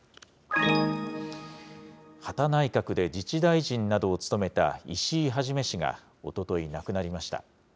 羽田内閣で自治大臣などを務めた石井一氏がおととい、亡くなりました。